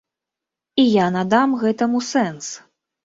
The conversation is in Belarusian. І я надам гэтаму сэнс.